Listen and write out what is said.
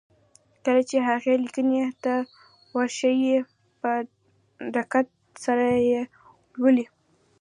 کله چې هغې ليکنې ته ور شئ په دقت سره يې ولولئ.